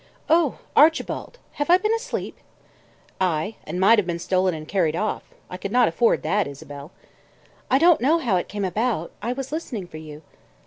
"Oh, Archibald! Have I been asleep?" "Ay; and might have been stolen and carried off. I could not afford that, Isabel." "I don't know how it came about. I was listening for you."